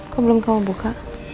kok belum kamu buka